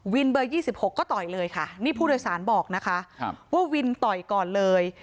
เบอร์๒๖ก็ต่อยเลยค่ะนี่ผู้โดยสารบอกนะคะว่าวินต่อยก่อนเลย